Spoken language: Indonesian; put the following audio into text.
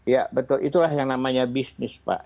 ya betul itulah yang namanya bisnis pak